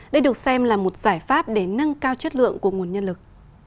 đây được xem là một giải pháp để nâng cao chất lượng của nguồn nhân lực